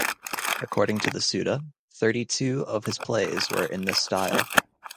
According to the Suda, thirty two of his plays were in this style.